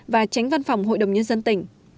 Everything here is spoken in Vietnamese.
và tránh văn phòng hội đồng nhân dân tỉnh